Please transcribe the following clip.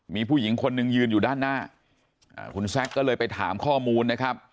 มีผู้หญิงคนหนึ่งยืนอยู่ด้านหน้าคุณแซคก็เลยไปถามข้อมูลนะครับ